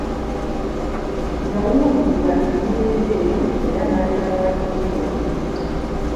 Yaawulirira emirembe eyo era n'abeera wa kitiibwa nnyo.